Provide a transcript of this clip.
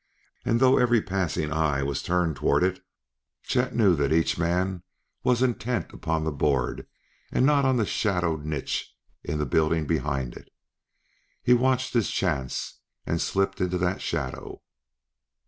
And, though every passing eye was turned toward it, Chet knew that each man was intent upon the board and not on the shadowed niche in the building behind it. He watched his chance and slipped into that shadow.